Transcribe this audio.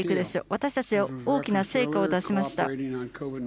私たちは大きな成果を出しました。